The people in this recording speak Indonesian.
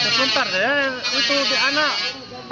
sementara itu di anak